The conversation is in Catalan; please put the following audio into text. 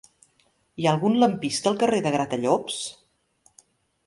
Hi ha algun lampista al carrer de Gratallops?